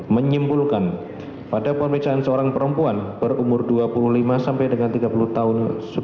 menyimpulkan pada pemeriksaan seorang perempuan berumur dua puluh lima sampai dengan tiga puluh tahun